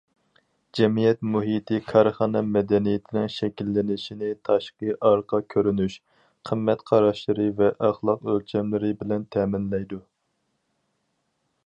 جەمئىيەت مۇھىتى كارخانا مەدەنىيىتىنىڭ شەكىللىنىشىنى تاشقى ئارقا كۆرۈنۈش، قىممەت قاراشلىرى ۋە ئەخلاق ئۆلچەملىرى بىلەن تەمىنلەيدۇ.